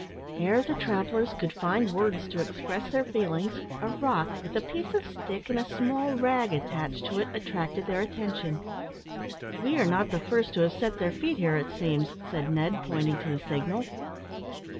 Ere the travellers could find words to express their feelings, a rock, with a piece of stick and a small rag attached to it, attracted their attention. "We are not the first who have set their feet here, it seems," said Ned, pointing to the signal.